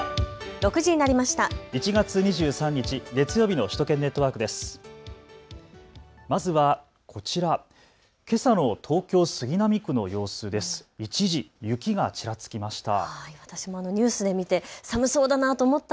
６時になりました。